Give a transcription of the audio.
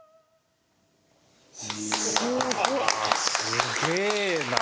すげえな。